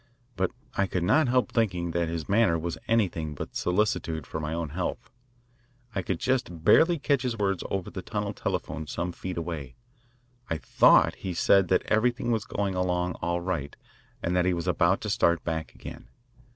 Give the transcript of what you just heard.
But I could not help thinking that his manner was anything but solicitude for my own health. I could just barely catch his words over the tunnel telephone some feet away. I thought he said that everything was going along all right and that he was about to start back again.